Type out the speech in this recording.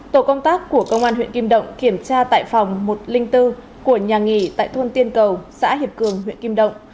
tổ công tác của công an huyện kim động kiểm tra tại phòng một trăm linh bốn của nhà nghỉ tại thôn tiên cầu xã hiệp cường huyện kim động